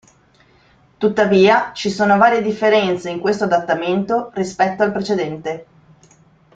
Tuttavia ci sono varie differenze in questo adattamento rispetto al precedente.